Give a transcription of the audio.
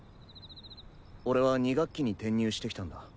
俺は２学期に転入してきたんだ。